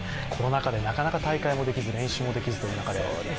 コロナ禍でなかなか大会もできず、練習もできずという中で。